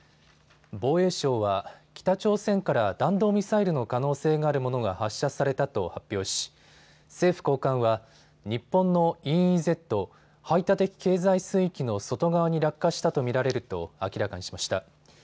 防衛省は北朝鮮から弾道ミサイルの可能性があるものが発射されたと発表し、政府高官は日本のＥＥＺ・排他的経済水域の外側に落下したと見られると明らかにしました。